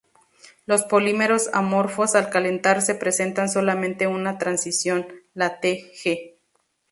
Los polímeros amorfos al calentarse presentan solamente una transición, la Tg.